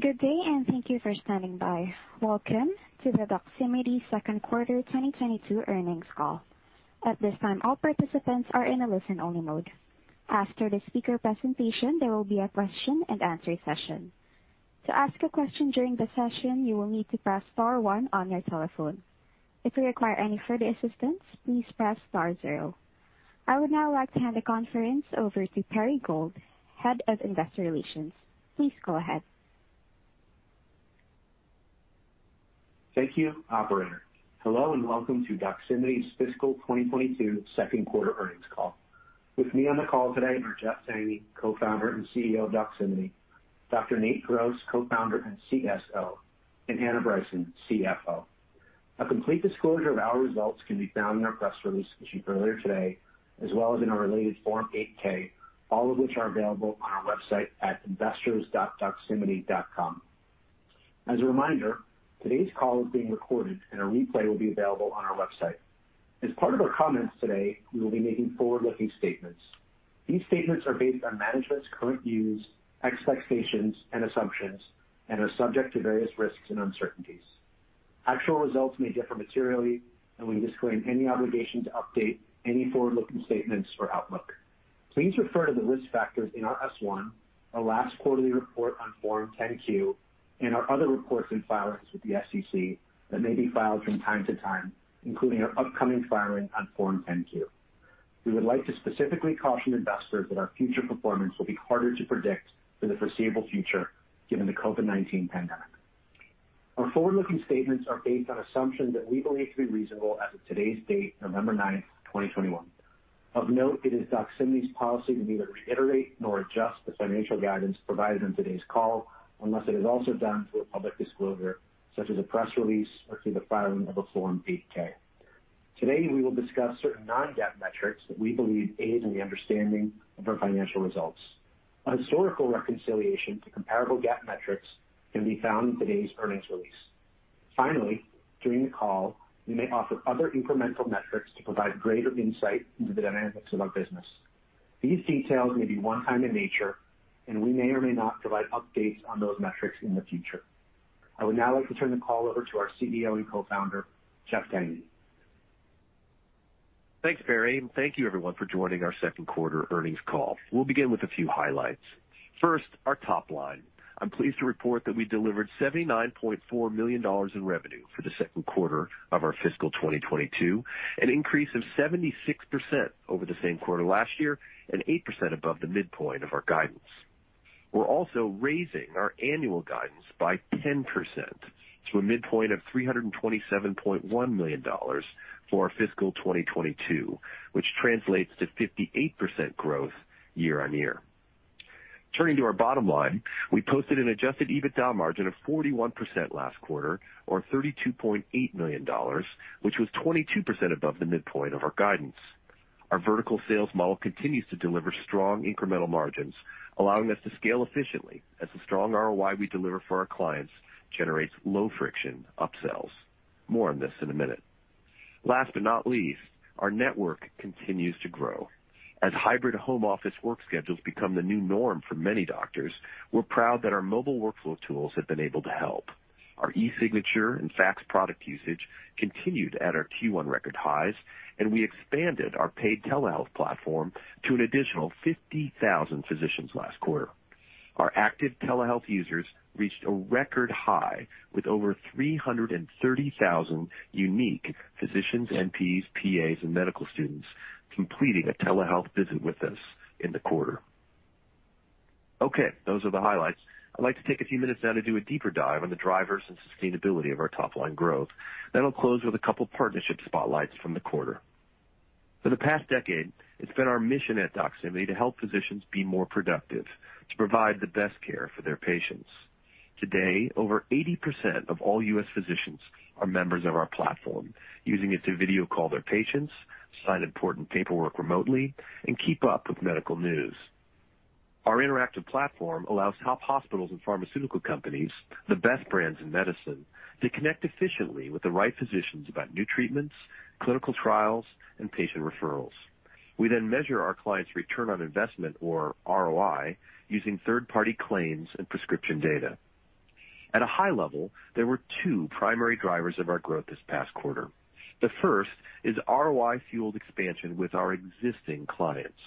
Good day, and thank you for standing by. Welcome to the Doximity second quarter 2022 earnings call. At this time, all participants are in a listen-only mode. After the speaker presentation, there will be a Q&A session. To ask a question during the session, you will need to press star one on your telephone. If you require any further assistance, please press star zero. I would now like to hand the conference over to Perry Gold, Head of Investor Relations. Please go ahead. Thank you, operator. Hello, and welcome to Doximity's fiscal 2022 second quarter earnings call. With me on the call today are Jeff Tangney, Co-founder and CEO of Doximity, Dr. Nate Gross, Co-founder and CSO, and Anna Bryson, CFO. A complete disclosure of our results can be found in our press release issued earlier today, as well as in our related Form 8-K, all of which are available on our website at investors.doximity.com. As a reminder, today's call is being recorded and a replay will be available on our website. As part of our comments today, we will be making forward-looking statements. These statements are based on management's current views, expectations and assumptions and are subject to various risks and uncertainties. Actual results may differ materially, and we disclaim any obligation to update any forward-looking statements or outlook. Please refer to the risk factors in our S-1, our last quarterly report on Form 10-Q, and our other reports and filings with the SEC that may be filed from time to time, including our upcoming filing on Form 10-Q. We would like to specifically caution investors that our future performance will be harder to predict for the foreseeable future given the COVID-19 pandemic. Our forward-looking statements are based on assumptions that we believe to be reasonable as of today's date, November ninth, twenty twenty-one. Of note, it is Doximity's policy to neither reiterate nor adjust the financial guidance provided on today's call unless it is also done through a public disclosure such as a press release or through the filing of a Form 8-K. Today, we will discuss certain non-GAAP metrics that we believe aid in the understanding of our financial results. A historical reconciliation to comparable GAAP metrics can be found in today's earnings release. Finally, during the call, we may offer other incremental metrics to provide greater insight into the dynamics of our business. These details may be one time in nature, and we may or may not provide updates on those metrics in the future. I would now like to turn the call over to our CEO and Co-founder, Jeff Tangney. Thanks, Perry. Thank you everyone for joining our second quarter earnings call. We'll begin with a few highlights. First, our top line. I'm pleased to report that we delivered $79.4 million in revenue for the second quarter of our fiscal 2022, an increase of 76% over the same quarter last year and 8% above the midpoint of our guidance. We're also raising our annual guidance by 10% to a midpoint of $327.1 million for our fiscal 2022, which translates to 58% growth year-on-year. Turning to our bottom line, we posted an adjusted EBITDA margin of 41% last quarter or $32.8 million, which was 22% above the midpoint of our guidance. Our vertical sales model continues to deliver strong incremental margins, allowing us to scale efficiently as the strong ROI we deliver for our clients generates low friction upsells. More on this in a minute. Last but not least, our network continues to grow. As hybrid home office work schedules become the new norm for many doctors, we're proud that our mobile workflow tools have been able to help. Our e-signature and fax product usage continued at our Q1 record highs, and we expanded our paid telehealth platform to an additional 50,000 physicians last quarter. Our active telehealth users reached a record high with over 330,000 unique physicians, NPs, PAs, and medical students completing a telehealth visit with us in the quarter. Okay, those are the highlights. I'd like to take a few minutes now to do a deeper dive on the drivers and sustainability of our top-line growth. Then I'll close with a couple partnership spotlights from the quarter. For the past decade, it's been our mission at Doximity to help physicians be more productive, to provide the best care for their patients. Today, over 80% of all U.S. physicians are members of our platform, using it to video call their patients, sign important paperwork remotely, and keep up with medical news. Our interactive platform allows top hospitals and pharmaceutical companies, the best brands in medicine, to connect efficiently with the right physicians about new treatments, clinical trials, and patient referrals. We then measure our clients' return on investment or ROI using third-party claims and prescription data. At a high level, there were two primary drivers of our growth this past quarter. The first is ROI-fueled expansion with our existing clients.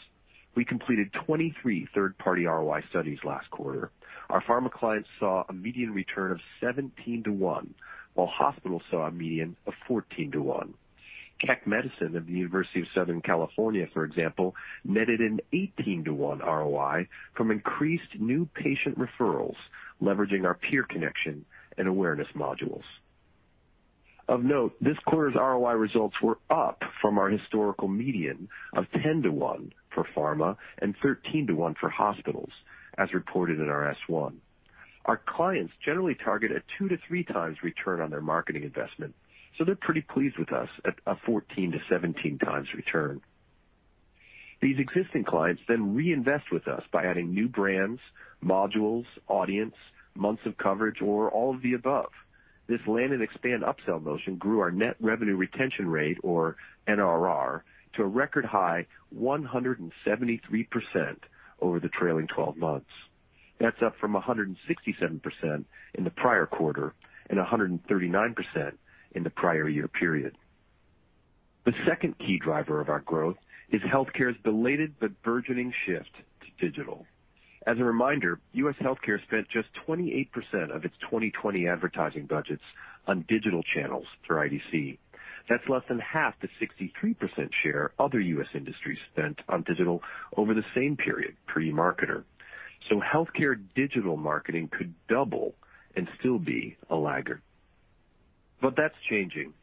We completed 23 third-party ROI studies last quarter. Our pharma clients saw a median return of 17:1, while hospitals saw a median of 14:1. Keck Medicine of the University of Southern California, for example, netted an 18:1 ROI from increased new patient referrals, leveraging our peer connection and awareness modules. Of note, this quarter's ROI results were up from our historical median of 10:1 for pharma and 13:1 for hospitals, as reported in our S-1. Our clients generally target a 2x-to-3x return on their marketing investment, so they're pretty pleased with us at a 14x-to-17x return. These existing clients then reinvest with us by adding new brands, modules, audience, months of coverage, or all of the above. This land and expand upsell motion grew our net revenue retention rate or NRR to a record high 173% over the trailing 12 months. That's up from 167% in the prior quarter and 139% in the prior year period. The second key driver of our growth is healthcare's belated but burgeoning shift to digital. As a reminder, U.S. healthcare spent just 28% of its 2020 advertising budgets on digital channels through IDC. That's less than half the 63% share other U.S. industries spent on digital over the same period, per eMarketer. Healthcare digital marketing could double and still be a laggard. That's changing.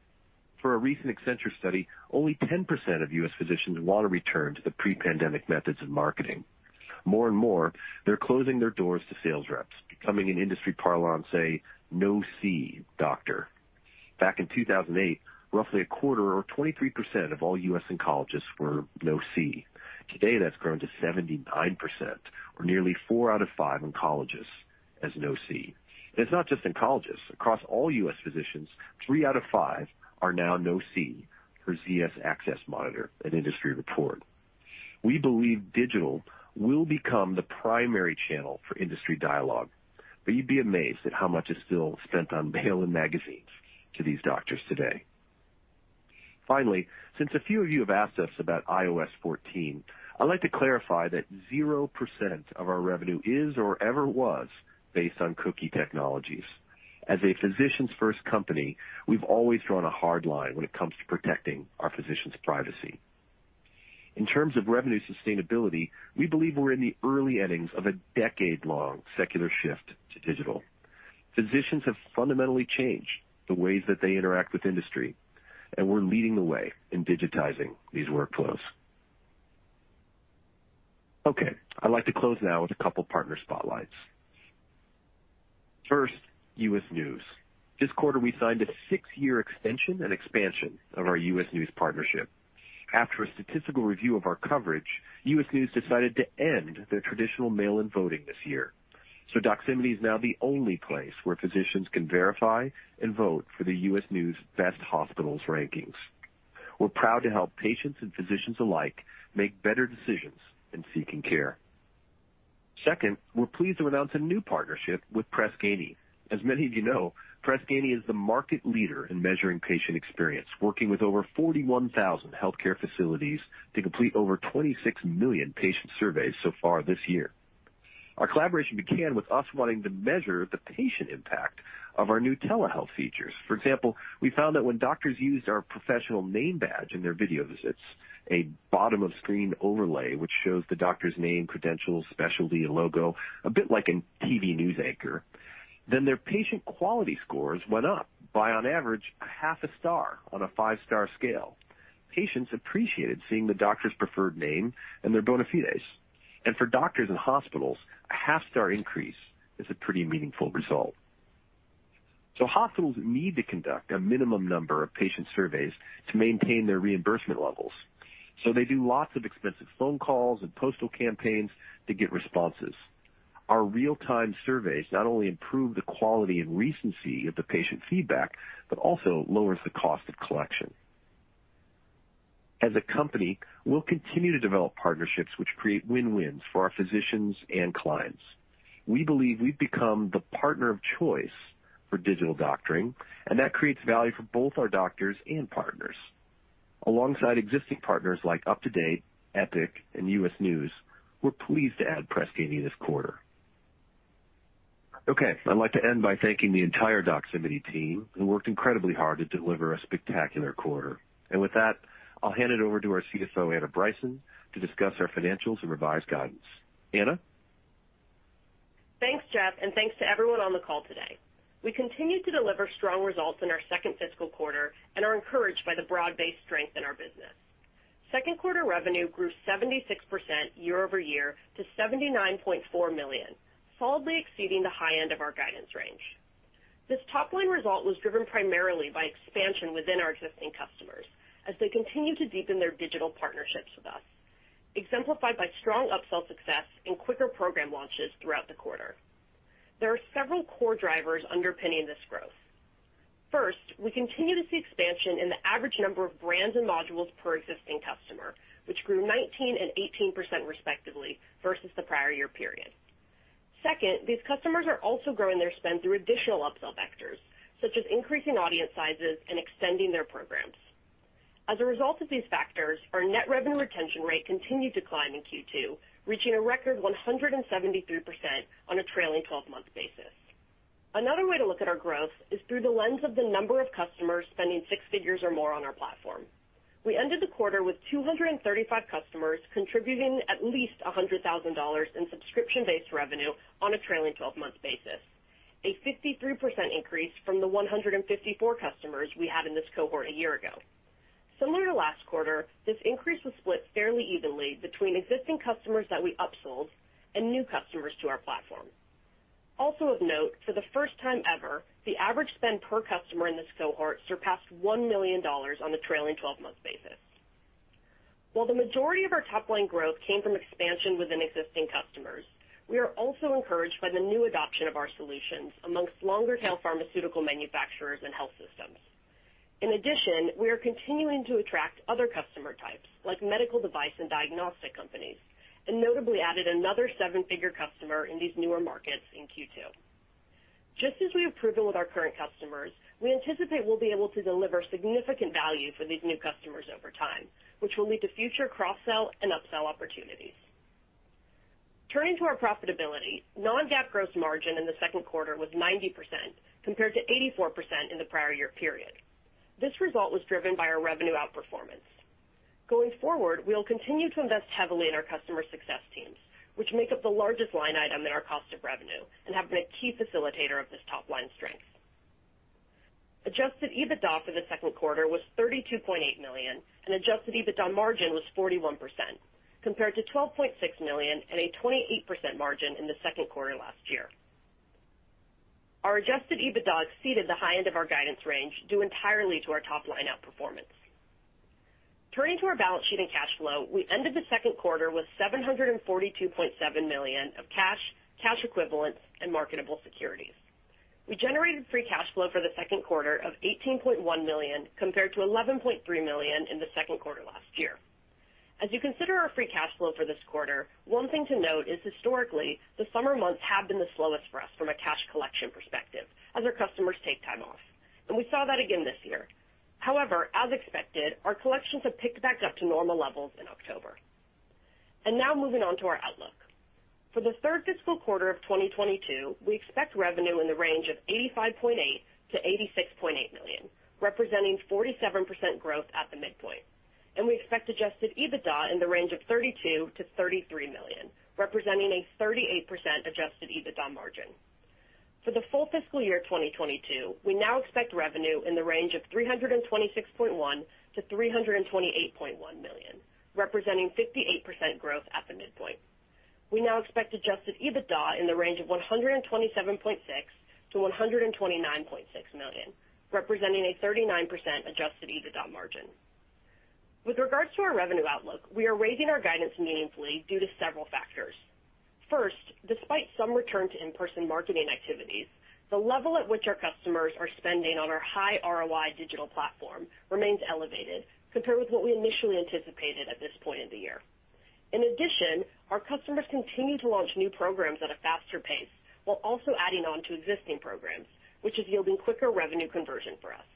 Per a recent Accenture study, only 10% of U.S. physicians want to return to the pre-pandemic methods of marketing. More and more, they're closing their doors to sales reps, becoming, in industry parlance, a no-see doctor. Back in 2008, roughly a quarter or 23% of all U.S. oncologists were no-see. Today, that's grown to 79% or nearly four out of five oncologists are no-see. It's not just oncologists. Across all U.S. physicians, three out of five are now no-see per ZS Access Monitor, an industry report. We believe digital will become the primary channel for industry dialogue, but you'd be amazed at how much is still spent on mail and magazines to these doctors today. Finally, since a few of you have asked us about iOS 14, I'd like to clarify that 0% of our revenue is or ever was based on cookie technologies. As a physician's first company, we've always drawn a hard line when it comes to protecting our physicians' privacy. In terms of revenue sustainability, we believe we're in the early innings of a decade-long secular shift to digital. Physicians have fundamentally changed the ways that they interact with industry, and we're leading the way in digitizing these workflows. Okay. I'd like to close now with a couple partner spotlights. First, U.S. News. This quarter, we signed a six-year extension and expansion of our U.S. News partnership. After a statistical review of our coverage, U.S. News decided to end their traditional mail-in voting this year. Doximity is now the only place where physicians can verify and vote for the U.S. News Best Hospitals rankings. We're proud to help patients and physicians alike make better decisions in seeking care. Second, we're pleased to announce a new partnership with Press Ganey. As many of you know, Press Ganey is the market leader in measuring patient experience, working with over 41,000 healthcare facilities to complete over 26 million patient surveys so far this year. Our collaboration began with us wanting to measure the patient impact of our new telehealth features. For example, we found that when doctors used our professional name badge in their video visits, a bottom-of-screen overlay, which shows the doctor's name, credentials, specialty, and logo, a bit like a TV news anchor, then their patient quality scores went up by on average half a star on a five-star scale. Patients appreciated seeing the doctor's preferred name and their bona fides. For doctors and hospitals, a half-star increase is a pretty meaningful result. Hospitals need to conduct a minimum number of patient surveys to maintain their reimbursement levels, so they do lots of expensive phone calls and postal campaigns to get responses. Our real-time surveys not only improve the quality and recency of the patient feedback, but also lowers the cost of collection. As a company, we'll continue to develop partnerships which create win-wins for our physicians and clients. We believe we've become the partner of choice for digital doctoring, and that creates value for both our doctors and partners. Alongside existing partners like UpToDate, Epic, and U.S. News, we're pleased to add Press Ganey this quarter. Okay, I'd like to end by thanking the entire Doximity team, who worked incredibly hard to deliver a spectacular quarter. With that, I'll hand it over to our CFO, Anna Bryson, to discuss our financials and revised guidance. Anna? Thanks, Jeff, and thanks to everyone on the call today. We continued to deliver strong results in our second fiscal quarter and are encouraged by the broad-based strength in our business. Second quarter revenue grew 76% year over year to $79.4 million, solidly exceeding the high end of our guidance range. This top line result was driven primarily by expansion within our existing customers as they continue to deepen their digital partnerships with us, exemplified by strong upsell success and quicker program launches throughout the quarter. There are several core drivers underpinning this growth. First, we continue to see expansion in the average number of brands and modules per existing customer, which grew 19% and 18% respectively versus the prior year period. Second, these customers are also growing their spend through additional upsell vectors, such as increasing audience sizes and extending their programs. As a result of these factors, our net revenue retention rate continued to climb in Q2, reaching a record 173% on a trailing twelve-month basis. Another way to look at our growth is through the lens of the number of customers spending six figures or more on our platform. We ended the quarter with 235 customers contributing at least $100,000 in subscription-based revenue on a trailing twelve-month basis, a 63% increase from the 154 customers we had in this cohort a year ago. Similar to last quarter, this increase was split fairly evenly between existing customers that we upsold and new customers to our platform. Also of note, for the first time ever, the average spend per customer in this cohort surpassed $1 million on a trailing 1`2-month basis. While the majority of our top line growth came from expansion within existing customers, we are also encouraged by the new adoption of our solutions amongst longer tail pharmaceutical manufacturers and health systems. In addition, we are continuing to attract other customer types like medical device and diagnostic companies, and notably added another seven-figure customer in these newer markets in Q2. Just as we have proven with our current customers, we anticipate we'll be able to deliver significant value for these new customers over time, which will lead to future cross-sell and upsell opportunities. Turning to our profitability, non-GAAP gross margin in the second quarter was 90% compared to 84% in the prior year period. This result was driven by our revenue outperformance. Going forward, we'll continue to invest heavily in our customer success teams, which make up the largest line item in our cost of revenue and have been a key facilitator of this top line strength. Adjusted EBITDA for the second quarter was $32.8 million and adjusted EBITDA margin was 41%, compared to $12.6 million and a 28% margin in the second quarter last year. Our adjusted EBITDA exceeded the high end of our guidance range, due entirely to our top line outperformance. Turning to our balance sheet and cash flow, we ended the second quarter with $742.7 million of cash equivalents and marketable securities. We generated free cash flow for the second quarter of $18.1 million compared to $11.3 million in the second quarter last year. As you consider our free cash flow for this quarter, one thing to note is historically, the summer months have been the slowest for us from a cash collection perspective as our customers take time off, and we saw that again this year. However, as expected, our collections have picked back up to normal levels in October. Now moving on to our outlook. For the third fiscal quarter of 2022, we expect revenue in the range of $85.8 million-$86.8 million, representing 47% growth at the midpoint. We expect adjusted EBITDA in the range of $32 million-$33 million, representing a 38% adjusted EBITDA margin. For the full fiscal year of 2022, we now expect revenue in the range of $326.1 million-$328.1 million, representing 58% growth at the midpoint. We now expect adjusted EBITDA in the range of $127.6 million-$129.6 million, representing a 39% adjusted EBITDA margin. With regards to our revenue outlook, we are raising our guidance meaningfully due to several factors. First, despite some return to in-person marketing activities, the level at which our customers are spending on our high ROI digital platform remains elevated compared with what we initially anticipated at this point in the year. In addition, our customers continue to launch new programs at a faster pace while also adding on to existing programs, which is yielding quicker revenue conversion for us.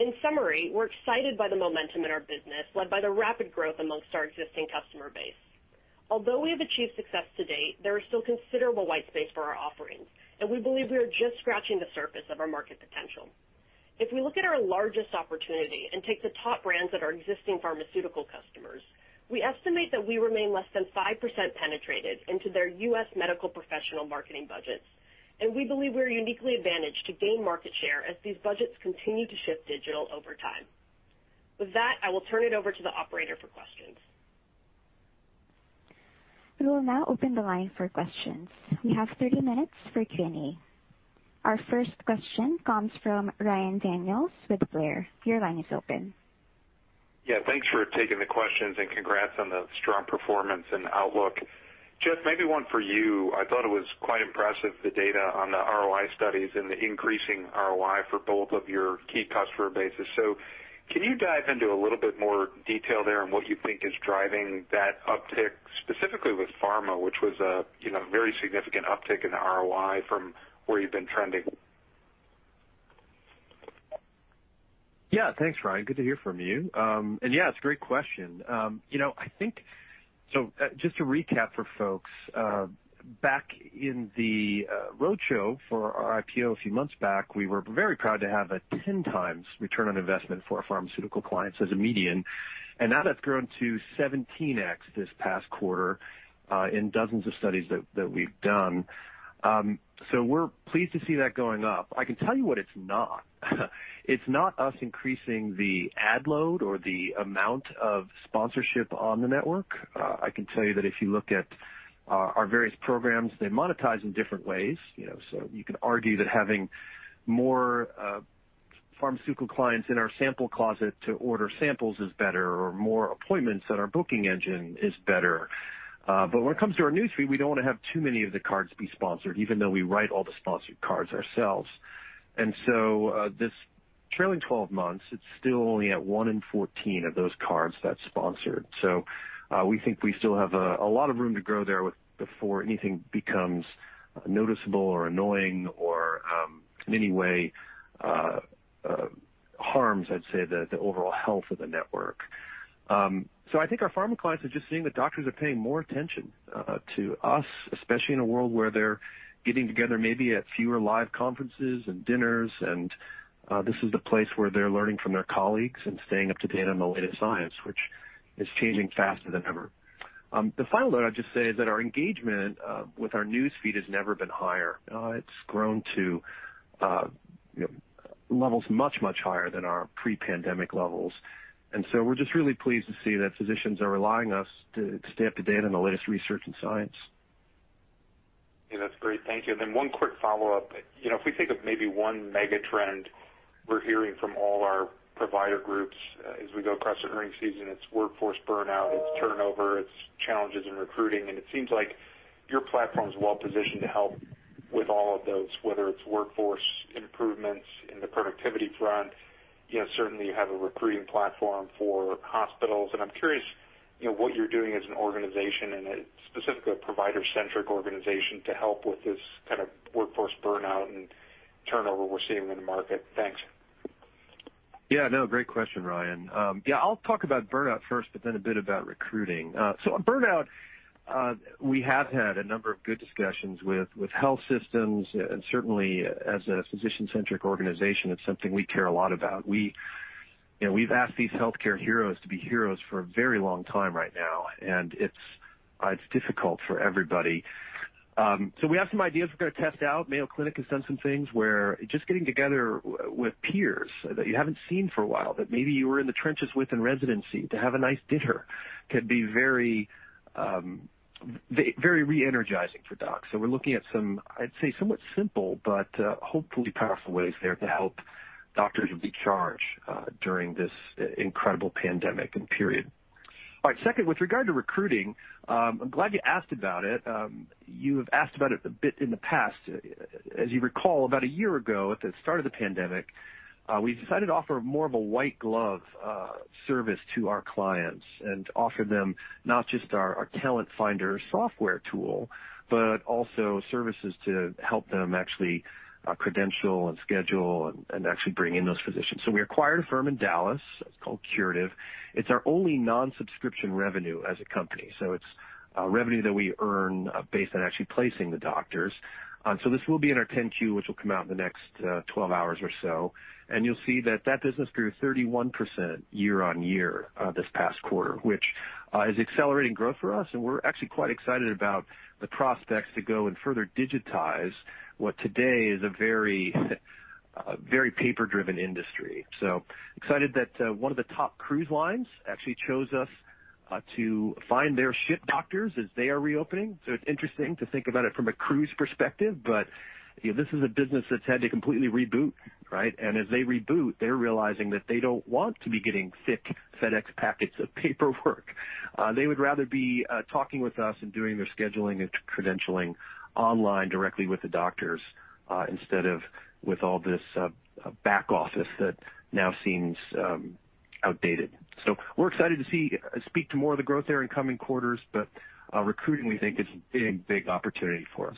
In summary, we're excited by the momentum in our business, led by the rapid growth among our existing customer base. Although we have achieved success to date, there is still considerable white space for our offerings, and we believe we are just scratching the surface of our market potential. If we look at our largest opportunity and take the top brands at our existing pharmaceutical customers, we estimate that we remain less than 5% penetrated into their U.S. medical professional marketing budgets, and we believe we are uniquely advantaged to gain market share as these budgets continue to shift digital over time. With that, I will turn it over to the operator for questions. We will now open the line for questions. We have 30 minutes for Q&A. Our first question comes from Ryan Daniels with Blair. Your line is open. Yeah, thanks for taking the questions and congrats on the strong performance and outlook. Jeff, maybe one for you. I thought it was quite impressive, the data on the ROI studies and the increasing ROI for both of your key customer bases. Can you dive into a little bit more detail there on what you think is driving that uptick, specifically with pharma, which was a, you know, very significant uptick in the ROI from where you've been trending? Yeah, thanks, Ryan. Good to hear from you. Yeah, it's a great question. You know, just to recap for folks, back in the roadshow for our IPO a few months back, we were very proud to have a 10x return on investment for our pharmaceutical clients as a median, and now that's grown to 17x this past quarter, in dozens of studies that we've done. We're pleased to see that going up. I can tell you what it's not. It's not us increasing the ad load or the amount of sponsorship on the network. I can tell you that if you look at our various programs, they monetize in different ways. You know, you could argue that having more pharmaceutical clients in our sample closet to order samples is better, or more appointments at our booking engine is better. When it comes to our newsfeed, we don't want to have too many of the cards be sponsored, even though we write all the sponsored cards ourselves. This Trailing Twelve Months, it's still only at one in 14 of those cards that's sponsored. We think we still have a lot of room to grow there before anything becomes noticeable or annoying or in any way harms, I'd say, the overall health of the network. I think our pharma clients are just seeing that doctors are paying more attention to us, especially in a world where they're getting together maybe at fewer live conferences and dinners and this is the place where they're learning from their colleagues and staying up to date on the latest science, which is changing faster than ever. The final note I'd just say is that our engagement with our newsfeed has never been higher. It's grown to, you know, levels much, much higher than our pre-pandemic levels. We're just really pleased to see that physicians are allowing us to stay up to date on the latest research and science. Yeah, that's great. Thank you. One quick follow-up. You know, if we think of maybe one mega trend we're hearing from all our provider groups as we go across the earnings season, it's workforce burnout, it's turnover, it's challenges in recruiting, and it seems like your platform is well positioned to help with all of those, whether it's workforce improvements in the productivity front. You know, certainly, you have a recruiting platform for hospitals. I'm curious, you know, what you're doing as an organization and specifically a provider-centric organization to help with this kind of workforce burnout and turnover we're seeing in the market. Thanks. Yeah, no, great question, Ryan. Yeah, I'll talk about burnout first, but then a bit about recruiting. Burnout, we have had a number of good discussions with health systems, and certainly as a physician-centric organization, it's something we care a lot about. We, you know, we've asked these healthcare heroes to be heroes for a very long time right now, and it's difficult for everybody. We have some ideas we're going to test out. Mayo Clinic has done some things where just getting together with peers that you haven't seen for a while, that maybe you were in the trenches with in residency to have a nice dinner can be very re-energizing for docs. We're looking at some, I'd say, somewhat simple, but hopefully powerful ways there to help doctors recharge during this incredible pandemic and period. All right. Second, with regard to recruiting, I'm glad you asked about it. You have asked about it a bit in the past. As you recall, about a year ago, at the start of the pandemic, we decided to offer more of a white glove service to our clients and offer them not just our Talent Finder software tool, but also services to help them actually credential and schedule and actually bring in those physicians. We acquired a firm in Dallas. It's called Curative. It's our only non-subscription revenue as a company. It's revenue that we earn based on actually placing the doctors. This will be in our 10-Q, which will come out in the next 12 hours or so. You'll see that business grew 31% year-over-year this past quarter, which is accelerating growth for us. We're actually quite excited about the prospects to go and further digitize what today is a very very paper-driven industry. Excited that one of the top cruise lines actually chose us to find their ship doctors as they are reopening. It's interesting to think about it from a cruise perspective, but this is a business that's had to completely reboot, right? As they reboot, they're realizing that they don't want to be getting thick FedEx packets of paperwork. They would rather be talking with us and doing their scheduling and credentialing online directly with the doctors instead of with all this back office that now seems outdated. We're excited to speak to more of the growth there in coming quarters. Recruiting, we think, is a big opportunity for us.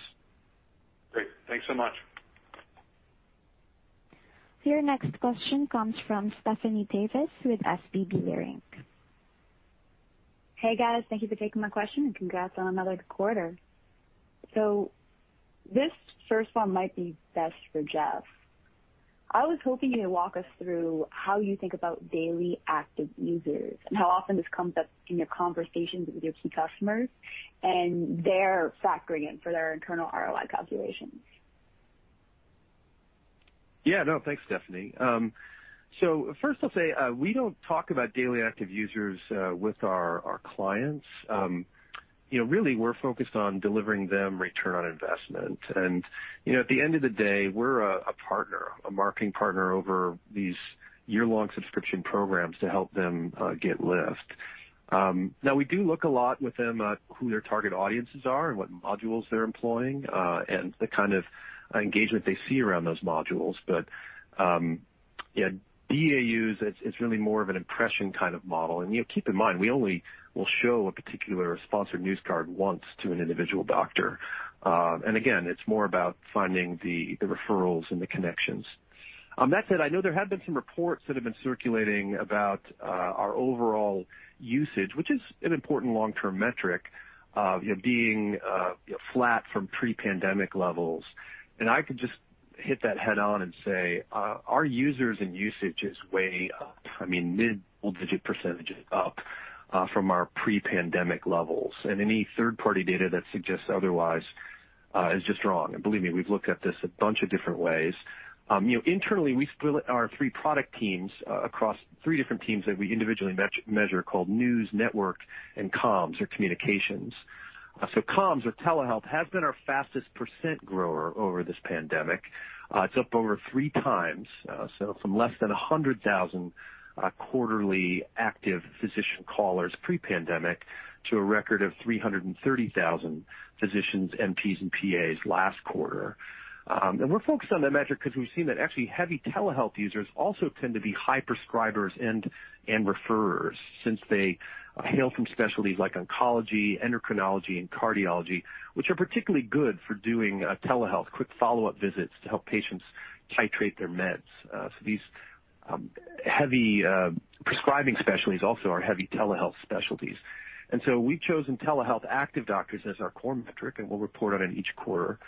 Great. Thanks so much. Your next question comes from Stephanie Davis with SVB Leerink. Hey, guys. Thank you for taking my question and congrats on another good quarter. This first one might be best for Jeff. I was hoping you could walk us through how you think about daily active users and how often this comes up in your conversations with your key customers and they're factoring in for their internal ROI calculations. Yeah. No, thanks, Stephanie. First I'll say, we don't talk about daily active users with our clients. You know, really we're focused on delivering them return on investment. You know, at the end of the day, we're a partner, a marketing partner over these year-long subscription programs to help them get lift. Now we do look a lot with them at who their target audiences are and what modules they're employing and the kind of engagement they see around those modules. You know, DAUs, it's really more of an impression kind of model. You know, keep in mind, we only will show a particular sponsored news card once to an individual doctor. Again, it's more about finding the referrals and the connections. That said, I know there have been some reports that have been circulating about our overall usage, which is an important long-term metric, you know, being flat from pre-pandemic levels. I could just hit that head on and say our users and usage is way up. I mean, mid-double-digit % up from our pre-pandemic levels. Any third-party data that suggests otherwise is just wrong. Believe me, we've looked at this a bunch of different ways. You know, internally, we split our three product teams across three different teams that we individually measure called News, Network, and Comms or Communications. Comms or telehealth has been our fastest % grower over this pandemic. It's up over three times, so from less than 100,000 quarterly active physician callers pre-pandemic to a record of 330,000 physicians, NPs, and PAs last quarter. We're focused on that metric because we've seen that actually heavy telehealth users also tend to be high prescribers and referrers since they hail from specialties like oncology, endocrinology and cardiology, which are particularly good for doing telehealth quick follow-up visits to help patients titrate their meds. These heavy prescribing specialties also are heavy telehealth specialties. We've chosen telehealth active doctors as our core metric, and we'll report on it each quarter.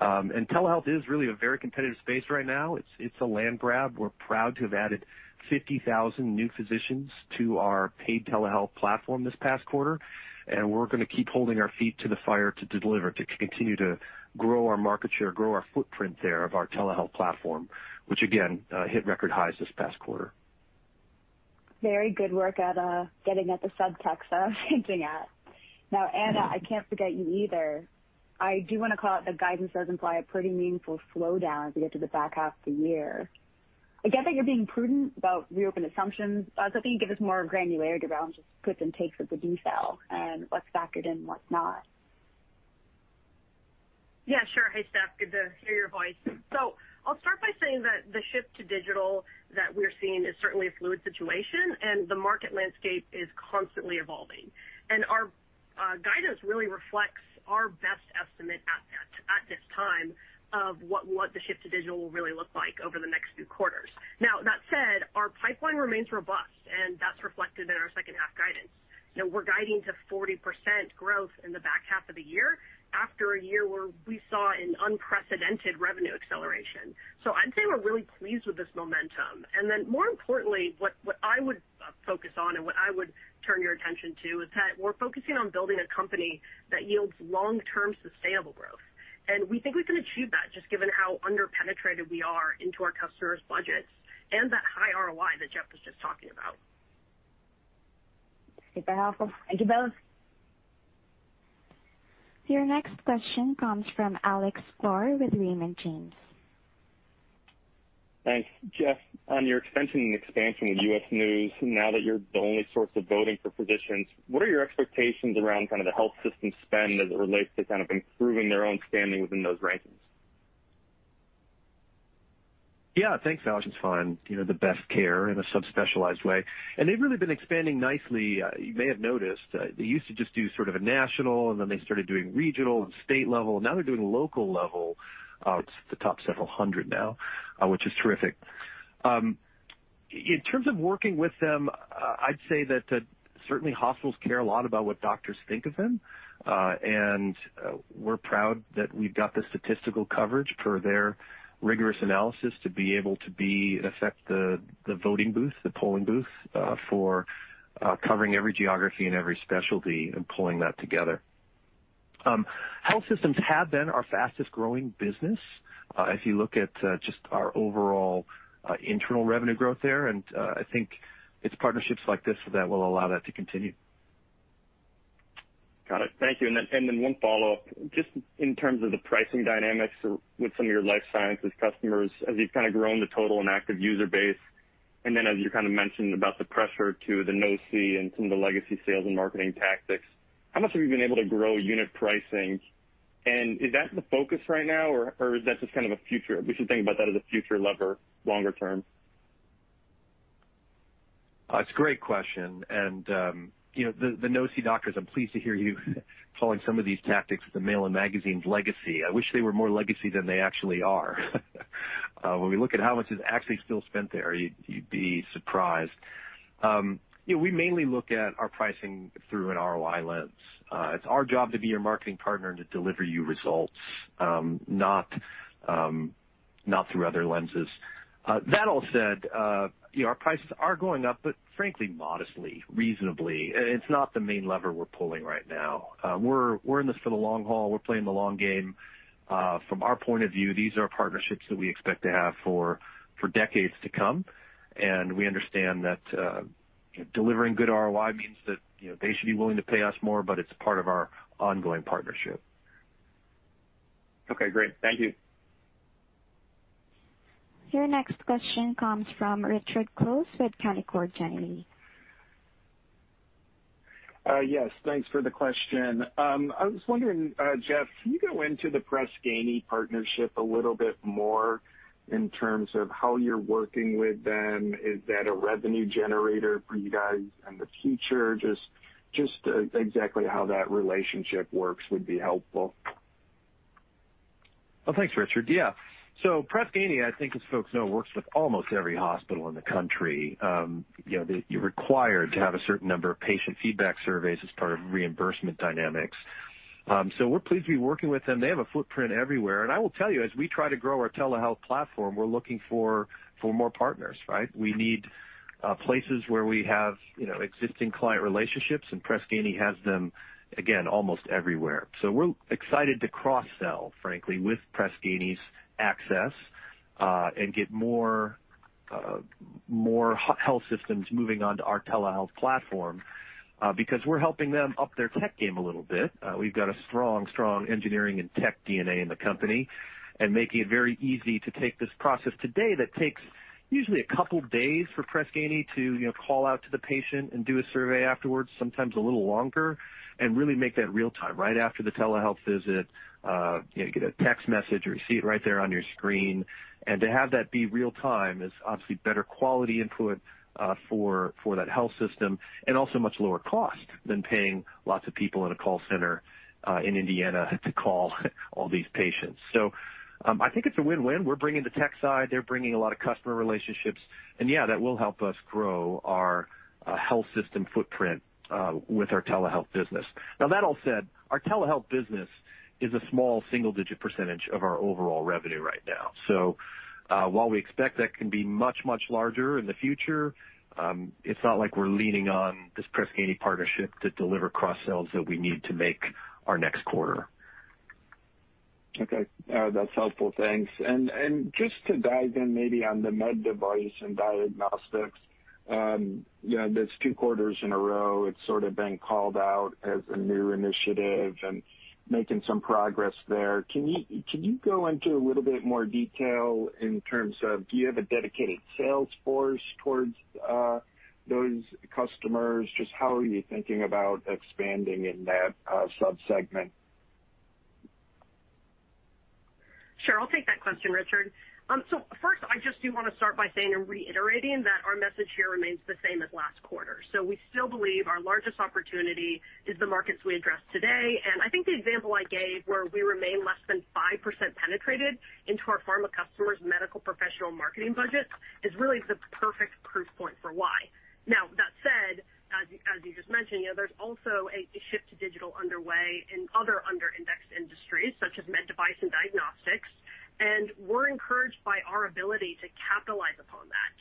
Telehealth is really a very competitive space right now. It's a land grab. We're proud to have added 50,000 new physicians to our paid telehealth platform this past quarter, and we're going to keep holding our feet to the fire to deliver, to continue to grow our market share, grow our footprint thereof our telehealth platform, which again, hit record highs this past quarter. Very good work at getting at the subtext I was thinking at. Now, Anna, I can't forget you either. I do wanna call out the guidance does imply a pretty meaningful slowdown as we get to the back half of the year. I get that you're being prudent about reopened assumptions. Can you give us more granularity around just puts and takes of the detail and what's factored in, what's not? Yeah, sure. Hey, Steph. Good to hear your voice. I'll start by saying that the shift to digital that we're seeing is certainly a fluid situation, and the market landscape is constantly evolving. Our guidance really reflects our best estimate at that, at this time of what the shift to digital will really look like over the next few quarters. Now, that said, our pipeline remains robust, and that's reflected in our second half guidance. You know, we're guiding to 40% growth in the back half of the year after a year where we saw an unprecedented revenue acceleration. I'd say we're really pleased with this momentum. Then more importantly, what I would focus on and what I would turn your attention to is that we're focusing on building a company that yields long-term sustainable growth. We think we can achieve that just given how under-penetrated we are into our customers' budgets and that high ROI that Jeff was just talking about. Super helpful. Thank you both. Your next question comes from Alex Guar with Raymond James. Thanks. Jeff, on your expansion with U.S. News, now that you're the only source of voting for physicians, what are your expectations around kind of the health system spend as it relates to kind of improving their own standing within those rankings? Yeah. Thanks, Alex. It's fun. You know, the best care in a sub-specialized way. They've really been expanding nicely. You may have noticed, they used to just do sort of a national, and then they started doing regional and state level. Now they're doing local level, with the top several hundred now, which is terrific. In terms of working with them, I'd say that certainly hospitals care a lot about what doctors think of them, and we're proud that we've got the statistical coverage per their rigorous analysis to be able to be, in effect the voting booth, the polling booth, for covering every geography and every specialty and pulling that together. Health systems have been our fastest-growing business, if you look at just our overall internal revenue growth there, and I think it's partnerships like this that will allow that to continue. Got it. Thank you. One follow-up, just in terms of the pricing dynamics with some of your life sciences customers as you've kind of grown the total and active user base, and then as you kind of mentioned about the pressure to the no-see and some of the legacy sales and marketing tactics, how much have you been able to grow unit pricing? Is that the focus right now, or is that just kind of a future, we should think about that as a future lever longer term? It's a great question. You know, the no-see doctors, I'm pleased to hear you calling some of these tactics the mail and magazines legacy. I wish they were more legacy than they actually are. When we look at how much is actually still spent there, you'd be surprised. You know, we mainly look at our pricing through an ROI lens. It's our job to be your marketing partner and to deliver you results, not through other lenses. That all said, you know, our prices are going up, but frankly, modestly, reasonably. It's not the main lever we're pulling right now. We're in this for the long haul. We're playing the long game. From our point of view, these are partnerships that we expect to have for decades to come, and we understand that delivering good ROI means that, you know, they should be willing to pay us more, but it's part of our ongoing partnership. Okay, great. Thank you. Your next question comes from Richard Close with Canaccord Genuity. Yes, thanks for the question. I was wondering, Jeff, can you go into the Press Ganey partnership a little bit more in terms of how you're working with them? Is that a revenue generator for you guys in the future? Just exactly how that relationship works would be helpful. Well, thanks, Richard. Yeah. Press Ganey, I think as folks know, works with almost every hospital in the country. You know, you're required to have a certain number of patient feedback surveys as part of reimbursement dynamics. We're pleased to be working with them. They have a footprint everywhere. I will tell you, as we try to grow our telehealth platform, we're looking for more partners, right? We need places where we have, you know, existing client relationships, and Press Ganey has them, again, almost everywhere. We're excited to cross-sell, frankly, with Press Ganey's access, and get more health systems moving on to our telehealth platform, because we're helping them up their tech game a little bit. We've got a strong engineering and tech DNA in the company and making it very easy to take this process today that takes usually a couple days for Press Ganey to, you know, call out to the patient and do a survey afterwards, sometimes a little longer, and really make that real-time. Right after the telehealth visit, you know, you get a text message or you see it right there on your screen. To have that be real time is obviously better quality input, for that health system and also much lower cost than paying lots of people in a call center, in Indiana to call all these patients. I think it's a win-win. We're bringing the tech side, they're bringing a lot of customer relationships, and yeah, that will help us grow our health system footprint with our telehealth business. Now, that all said, our telehealth business is a small single-digit % of our overall revenue right now. While we expect that can be much, much larger in the future, it's not like we're leaning on this Press Ganey partnership to deliver cross-sells that we need to make our next quarter. Okay. That's helpful. Thanks. Just to dive in maybe on the med device and diagnostics, you know, that's two quarters in a row it's sort of been called out as a new initiative and making some progress there. Can you go into a little bit more detail in terms of do you have a dedicated sales force towards those customers? Just how are you thinking about expanding in that sub-segment? Sure. I'll take that question, Richard. First, I just do wanna start by saying and reiterating that our message here remains the same as last quarter. We still believe our largest opportunity is the markets we address today, and I think the example I gave where we remain less than 5% penetrated into our pharma customers' medical professional marketing budget is really the perfect proof point for why. Now, that said, as you just mentioned, you know, there's also a shift to digital underway in other under-indexed industries such as med device and diagnostics, and we're encouraged by our ability to capitalize upon that.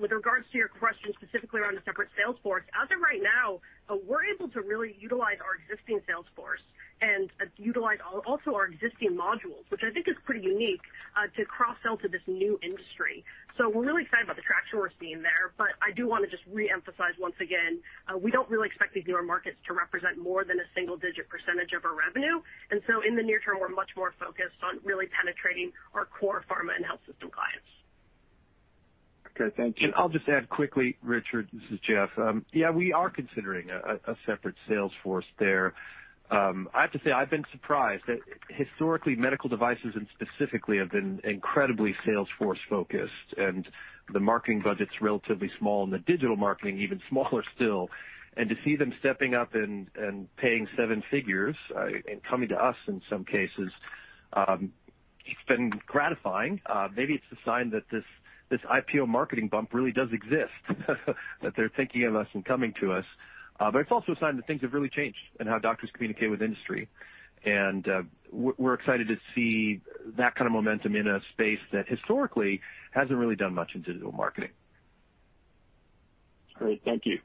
With regards to your question specifically around a separate sales force, as of right now, we're able to really utilize our existing sales force and utilize also our existing modules, which I think is pretty unique to cross-sell to this new industry. We're really excited about the traction we're seeing there, but I do wanna just reemphasize once again, we don't really expect these newer markets to represent more than a single-digit % of our revenue. In the near term, we're much more focused on really penetrating our core pharma and health system clients. Okay, thank you. I'll just add quickly, Richard, this is Jeff. Yeah, we are considering a separate sales force there. I have to say, I've been surprised. Historically, medical devices and specifically have been incredibly sales force-focused, and the marketing budget's relatively small and the digital marketing even smaller still. To see them stepping up and paying seven figures and coming to us in some cases, it's been gratifying. Maybe it's a sign that this IPO marketing bump really does exist, that they're thinking of us and coming to us. It's also a sign that things have really changed in how doctors communicate with industry. We're excited to see that kind of momentum in a space that historically hasn't really done much in digital marketing. Great. Thank you.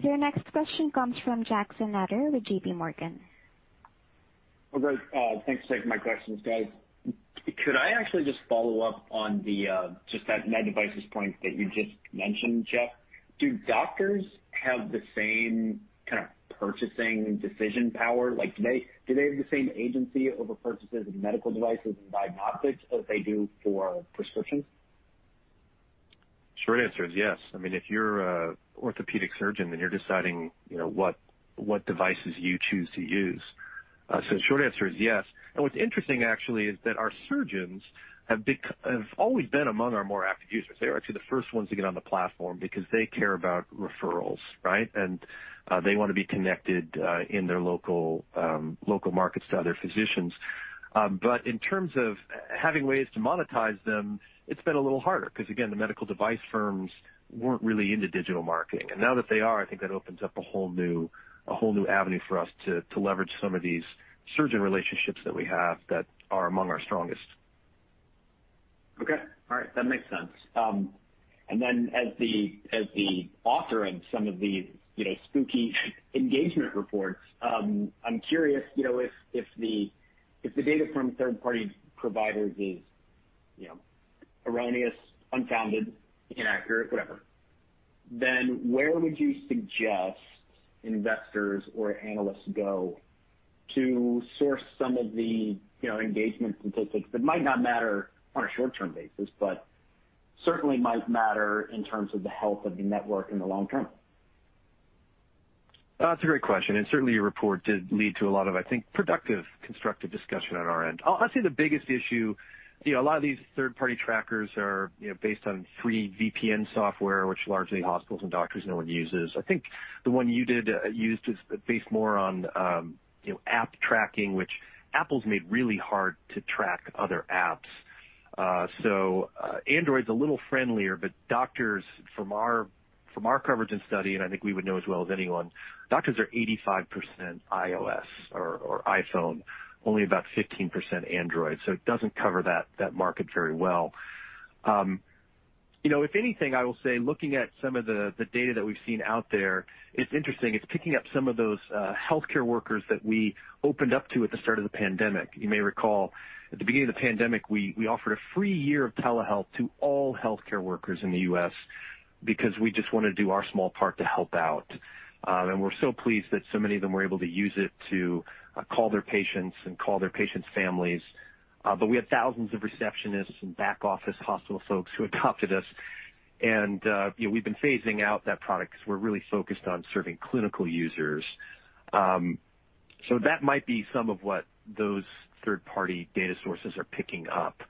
Your next question comes from Jackson Ader with JPMorgan. All right. Thanks for my questions, guys. Could I actually just follow up on the just that med devices point that you just mentioned, Jeff? Do doctors have the same kind of purchasing decision power? Like, do they have the same agency over purchases of medical devices and diagnostics as they do for prescriptions? Short answer is yes. I mean, if you're a orthopedic surgeon, then you're deciding, you know, what devices you choose to use. The short answer is yes. What's interesting actually is that our surgeons have always been among our more active users. They are actually the first ones to get on the platform because they care about referrals, right? They wanna be connected in their local markets to other physicians. In terms of having ways to monetize them, it's been a little harder 'cause again, the medical device firms weren't really into digital marketing. Now that they are, I think that opens up a whole new avenue for us to leverage some of these surgeon relationships that we have that are among our strongest. Okay. All right. That makes sense. And then as the author of some of the, you know, spooky engagement reports, I'm curious, you know, if the data from third-party providers is, you know, erroneous, unfounded, inaccurate, whatever, then where would you suggest investors or analysts go to source some of the, you know, engagement statistics that might not matter on a short-term basis, but certainly might matter in terms of the health of the network in the long term? That's a great question, and certainly your report did lead to a lot of, I think, productive, constructive discussion on our end. Honestly, the biggest issue, you know, a lot of these third-party trackers are, you know, based on free VPN software, which largely hospitals and doctors no one uses. I think the one you did used is based more on, you know, app tracking, which Apple's made really hard to track other apps. Android's a little friendlier, but doctors from our coverage and study, and I think we would know as well as anyone, doctors are 85% iOS or iPhone, only about 15% Android. So it doesn't cover that market very well. If anything, I will say looking at some of the data that we've seen out there, it's interesting. It's picking up some of those healthcare workers that we opened up to at the start of the pandemic. You may recall at the beginning of the pandemic, we offered a free year of telehealth to all healthcare workers in the U.S. because we just wanna do our small part to help out. We're so pleased that so many of them were able to use it to call their patients and call their patients' families. But we have thousands of receptionists and back office hospital folks who adopted us and, you know, we've been phasing out that product 'cause we're really focused on serving clinical users. That might be some of what those third-party data sources are picking up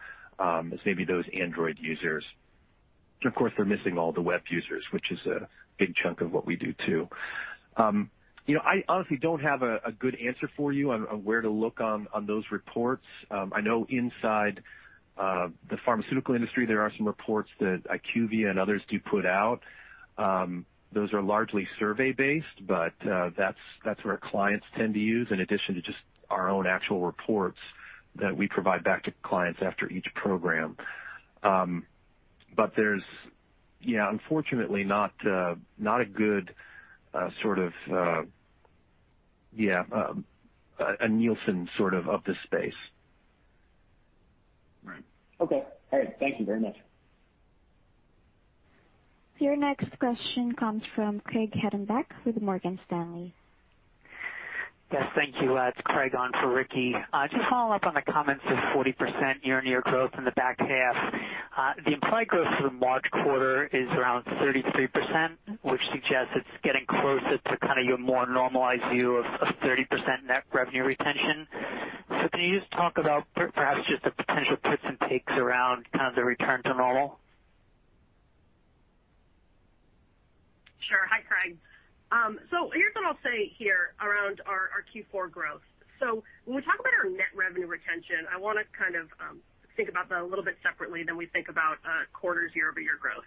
is maybe those Android users. Of course, they're missing all the web users, which is a big chunk of what we do too. You know, I honestly don't have a good answer for you on where to look on those reports. I know inside the pharmaceutical industry there are some reports that IQVIA and others do put out. Those are largely survey-based, but that's what our clients tend to use in addition to just our own actual reports that we provide back to clients after each program. There's yeah unfortunately not a good sort of yeah a Nielsen sort of of the space. Right. Okay. All right. Thank you very much. Your next question comes from Craig Hettenbach with Morgan Stanley. Yes, thank you. It's Craig on for Ricky. Just follow up on the comments of 40% year-over-year growth in the back half. The implied growth for the March quarter is around 33%, which suggests it's getting closer to kind of your more normalized view of 30% net revenue retention. Can you just talk about perhaps just the potential puts and takes around kind of the return to normal? Sure. Hi, Craig. Here's what I'll say here around our Q4 growth. When we talk about our net revenue retention, I wanna kind of think about that a little bit separately than we think about quarter's year-over-year growth.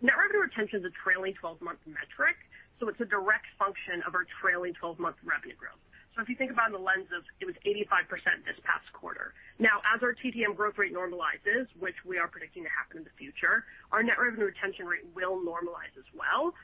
Net revenue retention is a trailing-12-month metric, so it's a direct function of our trailing-twelve-month revenue growth. If you think about it through the lens of, it was 85% this past quarter. Now, as our TTM growth rate normalizes, which we are predicting to happen in the future, our net revenue retention rate will normalize as well.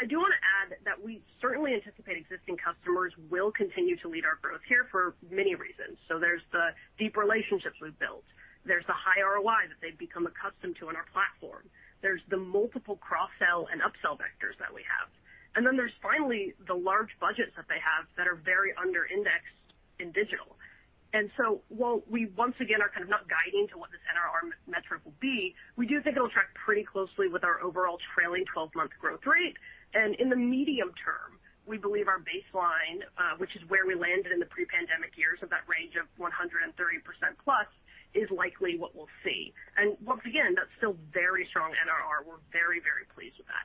I do wanna add that we certainly anticipate existing customers will continue to lead our growth here for many reasons. There's the deep relationships we've built. There's the high ROI that they've become accustomed to in our platform. There's the multiple cross-sell and upsell vectors that we have. There's finally the large budgets that they have that are very under-indexed in digital. While we once again are kind of not guiding to what this NRR metric will be, we do think it'll track pretty closely with our overall trailing-12-month growth rate. In the medium term, we believe our baseline, which is where we landed in the pre-pandemic years of that range of 130% plus, is likely what we'll see. Once again, that's still very strong NRR. We're very, very pleased with that.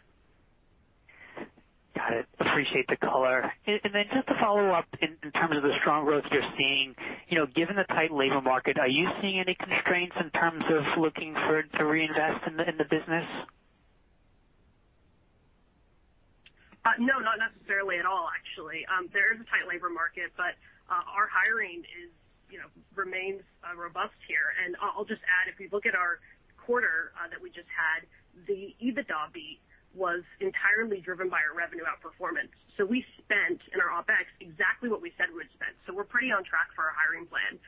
Got it. Appreciate the color. Then just to follow up in terms of the strong growth you're seeing, you know, given the tight labor market, are you seeing any constraints in terms of to reinvest in the business? No, not necessarily at all, actually. There is a tight labor market, but our hiring, you know, remains robust here. I'll just add, if we look at our quarter that we just had, the EBITDA beat was entirely driven by our revenue outperformance. We spent in our OpEx exactly what we said we would spend. We're pretty on track for our hiring plan,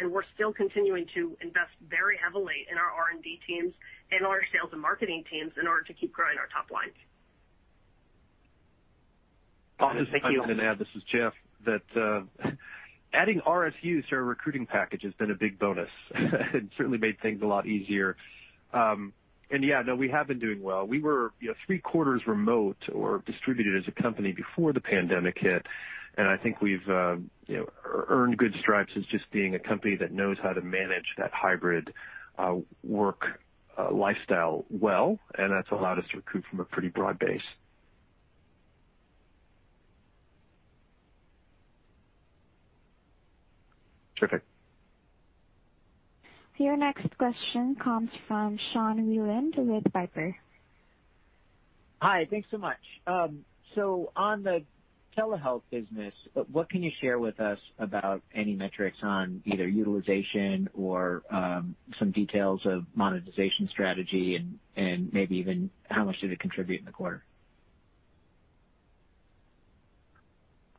and we're still continuing to invest very heavily in our R&D teams and our sales and marketing teams in order to keep growing our top line. Awesome. Thank you. I'm gonna add, this is Jeff, that adding RSUs to our recruiting package has been a big bonus and certainly made things a lot easier. Yeah, no, we have been doing well. We were, you know, three-quarters remote or distributed as a company before the pandemic hit, and I think we've, you know, earned good stripes as just being a company that knows how to manage that hybrid work lifestyle well, and that's allowed us to recruit from a pretty broad base. Terrific. Your next question comes from Sean Wieland with Piper. Hi. Thanks so much. On the telehealth business, what can you share with us about any metrics on either utilization or, some details of monetization strategy and maybe even how much did it contribute in the quarter?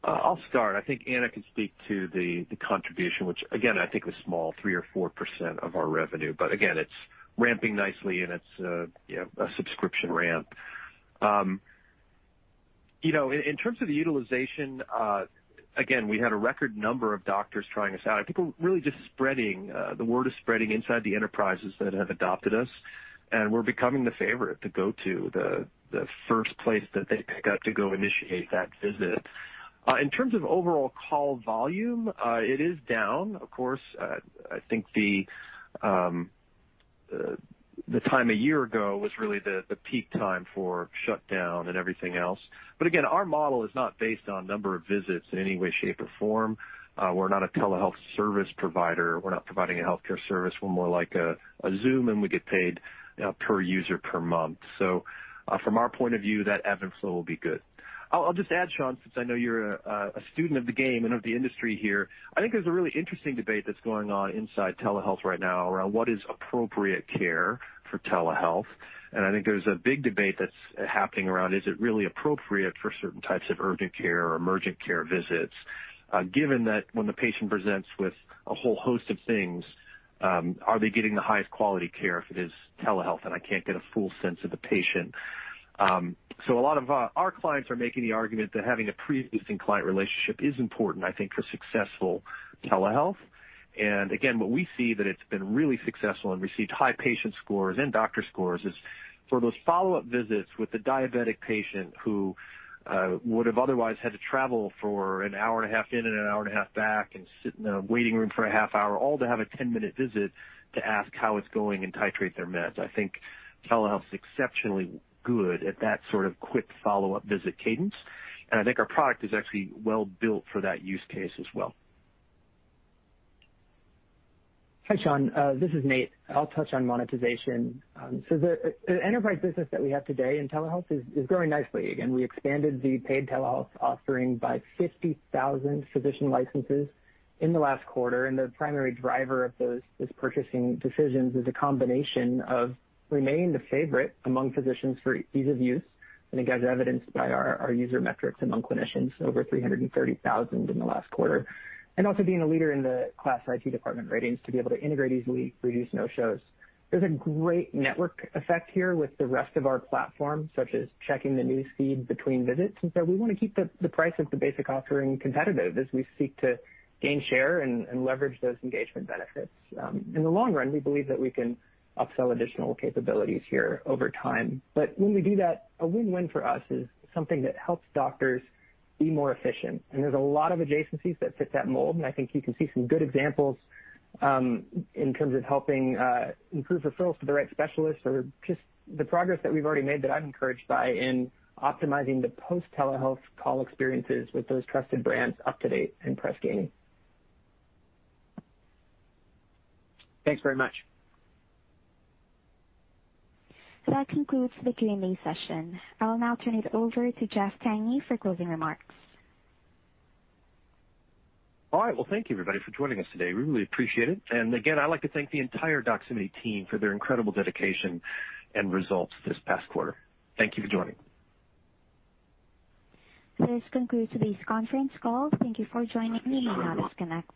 I'll start. I think Anna can speak to the contribution, which again, I think was small, 3% or 4% of our revenue, but again, it's ramping nicely and it's, you know, a subscription ramp. You know, in terms of the utilization, again, we had a record number of doctors trying us out. I think the word is spreading inside the enterprises that have adopted us, and we're becoming the favorite to go to, the first place that they pick up to go initiate that visit. In terms of overall call volume, it is down, of course. I think the time a year ago was really the peak time for shutdown and everything else. Again, our model is not based on number of visits in any way, shape, or form. We're not a telehealth service provider. We're not providing a healthcare service. We're more like a Zoom, and we get paid per user per month. From our point of view, that ebb and flow will be good. I'll just add, Sean, since I know you're a student of the game and of the industry here, I think there's a really interesting debate that's going on inside telehealth right now around what is appropriate care for telehealth. I think there's a big debate that's happening around, is it really appropriate for certain types of urgent care or emergent care visits, given that when the patient presents with a whole host of things, are they getting the highest quality care if it is telehealth and I can't get a full sense of the patient? So a lot of our clients are making the argument that having a pre-existing client relationship is important, I think, for successful telehealth. Again, what we see that it's been really successful and received high patient scores and doctor scores is for those follow-up visits with the diabetic patient who would've otherwise had to travel for an hour and a half in and an hour and a half back and sit in a waiting room for a half hour all to have a 10-minute visit to ask how it's going and titrate their meds. I think telehealth's exceptionally good at that sort of quick follow-up visit cadence, and I think our product is actually well built for that use case as well. Hi, Sean. This is Nate. I'll touch on monetization. The enterprise business that we have today in telehealth is growing nicely. Again, we expanded the paid telehealth offering by 50,000 physician licenses in the last quarter, and the primary driver of those purchasing decisions is a combination of remaining the favorite among physicians for ease of use, I think as evidenced by our user metrics among clinicians, over 330,000 in the last quarter. Also being a leader in the KLAS IT department ratings to be able to integrate easily, reduce no-shows. There's a great network effect here with the rest of our platform, such as checking the newsfeed between visits, and so we wanna keep the price of the basic offering competitive as we seek to gain share and leverage those engagement benefits. In the long run, we believe that we can upsell additional capabilities here over time. When we do that, a win-win for us is something that helps doctors be more efficient. There's a lot of adjacencies that fit that mold, and I think you can see some good examples, in terms of helping improve referrals to the right specialists or just the progress that we've already made that I'm encouraged by in optimizing the post-telehealth call experiences with those trusted brands UpToDate and Press Ganey. Thanks very much. That concludes the Q&A session. I'll now turn it over to Jeff Tangney for closing remarks. All right. Well, thank you everybody for joining us today. We really appreciate it. Again, I'd like to thank the entire Doximity team for their incredible dedication and results this past quarter. Thank you for joining. This concludes today's conference call. Thank you for joining me. You may now disconnect.